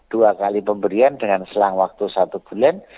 dua kali pemberian dengan selang waktu satu bulan